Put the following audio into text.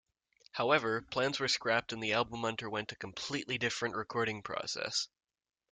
However, plans were scrapped and the album underwent a completely different recording process.